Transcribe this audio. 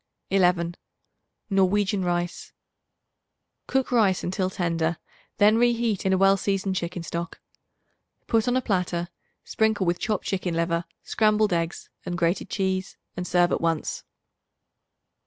11. Norwegian Rice. Cook rice until tender; then reheat in a well seasoned chicken stock. Put on a platter; sprinkle with chopped chicken liver, scrambled eggs and grated cheese and serve at once.